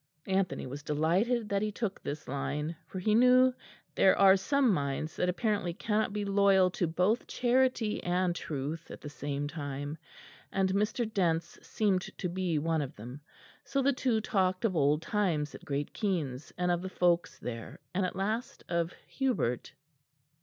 Anthony was delighted that he took this line, for he knew there are some minds that apparently cannot be loyal to both charity and truth at the same time, and Mr. Dent's seemed to be one of them; so the two talked of old times at Great Keynes, and of the folks there, and at last of Hubert.